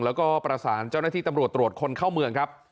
แล้วก็ประสานเจ้าหน้าที่ตำรวจตรวจคนเข้าเมืองครับ